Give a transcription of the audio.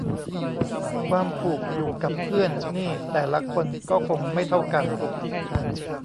ความผูกอยู่กับเพื่อนนี่แต่ละคนก็คงไม่เท่ากัน